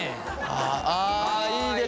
ああいいですね！